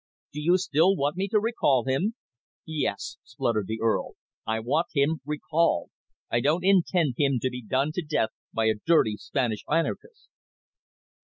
Do you still want me to recall him?" "Yes," spluttered the Earl. "I want him recalled. I don't intend him to be done to death by a dirty Spanish anarchist."